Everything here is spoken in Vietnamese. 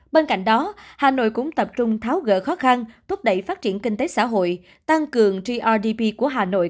bên cạnh đó hà nội cũng tập trung tháo gỡ khó khăn thúc đẩy phát triển kinh tế xã hội tăng cường grdp của hà nội